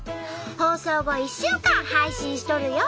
放送後１週間配信しとるよ！